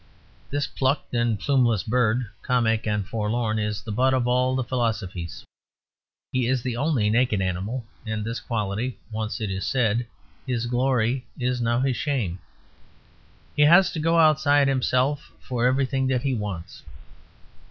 This plucked and plumeless bird, comic and forlorn, is the butt of all the philosophies. He is the only naked animal; and this quality, once, it is said, his glory, is now his shame. He has to go outside himself for everything that he wants.